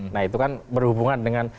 nah itu kan berhubungan dengan